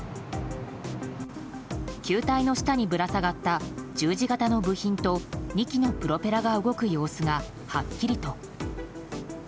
球体の下にぶら下がった十字型の部品と２基のプロペラが動く様子がはっきりと。